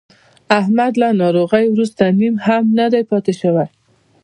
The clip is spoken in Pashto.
احمد له ناروغۍ ورسته نیم هم نه دی پاتې شوی.